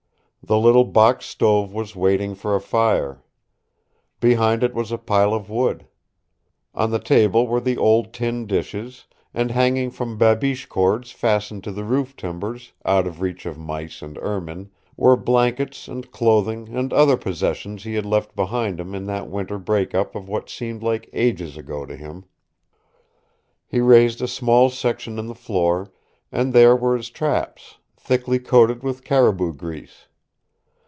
The little box stove was waiting for a fire. Behind it was a pile of wood. On the table were the old tin dishes, and hanging from babiche cords fastened to the roof timbers, out of reach of mice and ermine, were blankets and clothing and other possessions he had left behind him in that winter break up of what seemed like ages ago to him. He raised a small section in the floor, and there were his traps, thickly coated with caribou grease.